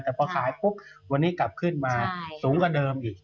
แต่พอขายปุ๊บวันนี้กลับขึ้นมาสูงกว่าเดิมอีก